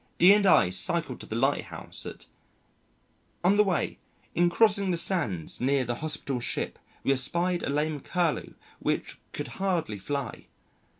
D and I cycled to the Lighthouse at . On the way, in crossing the sands near the Hospital Ship we espied a lame Curlew which could hardly fly.